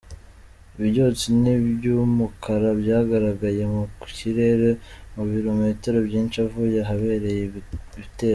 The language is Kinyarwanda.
Ibyotsi by’umukara byagaragaye mu kirere mu birometero byinshi uvuye ahabereye ibi bitero.